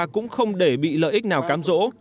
cũng không để bị lợi ích nào cám dỗ